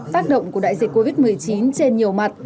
tác động của đại dịch covid một mươi chín trên nhiều mặt